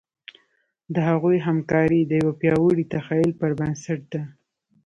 د هغوی همکاري د یوه پیاوړي تخیل پر بنسټ ده.